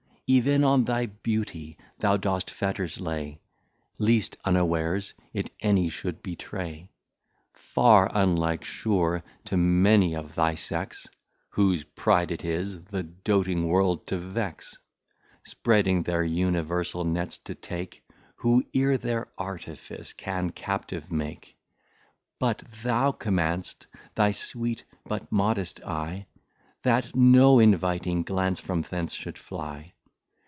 Even on thy Beauty thou dost Fetters lay, Least, unawares, it any should betray. Far unlike, sure, to many of thy Sex, Whose Pride it is, the doting World to vex; Spreading their Universal Nets to take Who e're their artifice can captive make. But thou command'st thy Sweet, but Modest Eye, That no Inviting Glance from thence should fly.